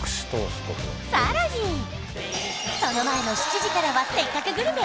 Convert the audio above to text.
さらにその前の７時からは「せっかくグルメ！！」